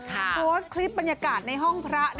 โพสต์คลิปบรรยากาศในห้องพระ